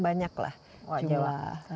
banyaklah owa jawa